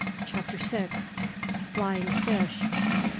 CHAPTER SIX. FLYING FISH.